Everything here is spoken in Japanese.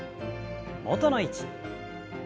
元の位置。